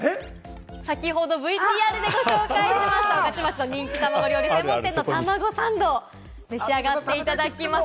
先ほどＶＴＲでご紹介しました御徒町の人気料理たまご料理専門店のたまごサンドを召し上がっていただきます。